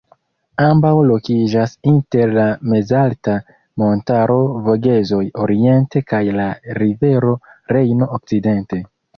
Ambaŭ lokiĝas inter la mezalta montaro Vogezoj oriente kaj la rivero Rejno okcidente.